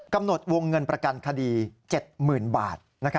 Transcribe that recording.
กำหนดวงเงินประกันคดี๗๐๐๐บาท